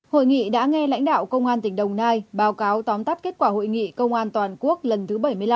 hội nghị đã nghe lãnh đạo công an tỉnh đồng nai báo cáo tóm tắt kết quả hội nghị công an toàn quốc lần thứ bảy mươi năm